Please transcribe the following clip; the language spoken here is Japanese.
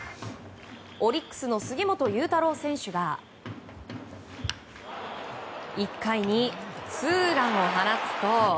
オリックスの杉本裕太郎選手が１回にツーランを放つと。